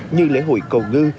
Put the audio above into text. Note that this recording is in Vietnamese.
như lễ hội cầu ngư